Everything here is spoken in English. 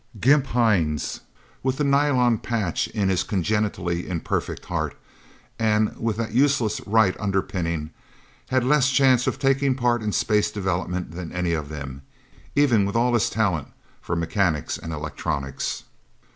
Gimp Hines, with the nylon patch in his congenitally imperfect heart, and with that useless right underpinning, had less chance of taking part in space development than any of them even with all his talent for mechanics and electronics.